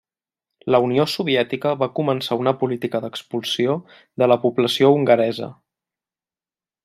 La Unió soviètica va començar una política d'expulsió de la població hongaresa.